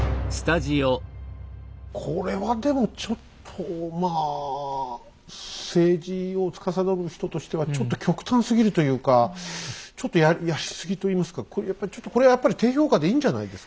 これはでもちょっとまあ政治をつかさどる人としてはちょっと極端すぎるというかちょっとやりすぎといいますかこれやっぱりちょっとこれはやっぱり低評価でいいんじゃないですか？